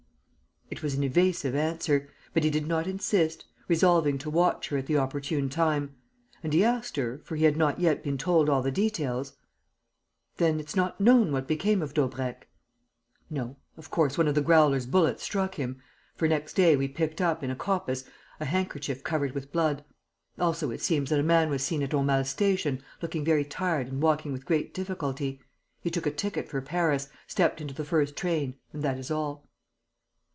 It was an evasive answer. But he did not insist, resolving to watch her at the opportune time; and he asked her, for he had not yet been told all the details: "Then it's not known what became of Daubrecq?" "No. Of course, one of the Growler's bullets struck him. For, next day, we picked up, in a coppice, a handkerchief covered with blood. Also, it seems that a man was seen at Aumale Station, looking very tired and walking with great difficulty. He took a ticket for Paris, stepped into the first train and that is all...."